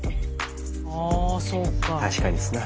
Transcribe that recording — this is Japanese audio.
あそうか。